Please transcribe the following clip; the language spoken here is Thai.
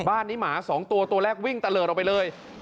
บ้านนี้หมา๒ตัวตัวแรกวิ่งตะเลิศออกไปเลย